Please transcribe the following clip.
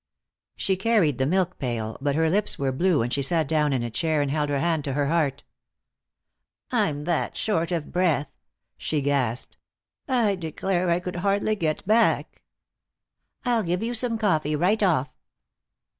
She carried the milk pail, but her lips were blue and she sat down in a chair and held her hand to her heart. "I'm that short of breath!" she gasped. "I declare I could hardly get back." "I'll give you some coffee, right off."